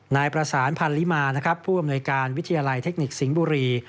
นายประสานพันลิมานะครับผู้อำนวยการวิทยาลัยเทคนิคสิงห์บุรี